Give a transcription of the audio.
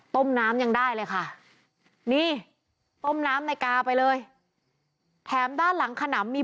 ต้มน้ำยังได้เลยค่ะนี่ต้มน้ำในกาไปเลยแถมด้านหลังขนำมี